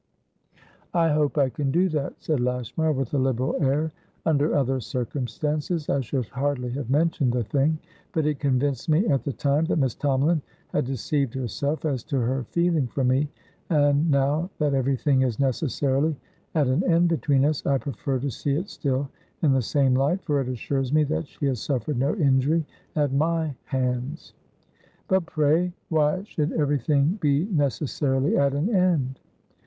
"I hope I can do that," said Lashmar, with a liberal air. "Under other circumstances, I should hardly have mentioned the thing. But it convinced me at the time that Miss Tomalin had deceived herself as to her feeling for me, and now that everything is necessarily at an end between us, I prefer to see it still in the same light, for it assures me that she has suffered no injury at my hands." "But, pray, why should everything be necessarily at an end?"